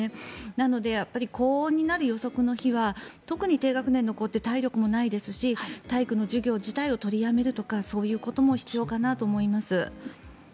なので、高温になる予測の日は特に低学年の子って体力もないですし体育の授業自体を取りやめるとかそういうことも必要かなと思います。